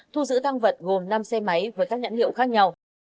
thu giữ thăng vật gồm năm xe máy với các nhận hiệu khác nhau